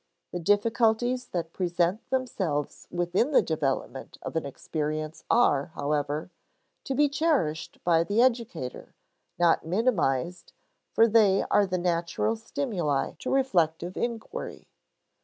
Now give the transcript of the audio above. The difficulties that present themselves within the development of an experience are, however, to be cherished by the educator, not minimized, for they are the natural stimuli to reflective inquiry.